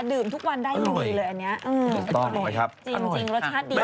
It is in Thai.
ดื่มทุกวันได้มีเลยอันนี้อืมจริงรสชาติดีกว่าพอดีนะฮะอร่อย